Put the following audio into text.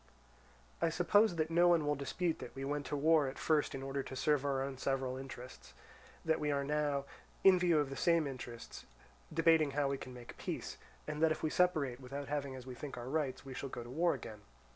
"I suppose that no one will dispute that we went to war at first in order to serve our own several interests, that we are now, in view of the same interests, debating how we can make peace; and that if we separate without having as we think our rights, we shall go to war again.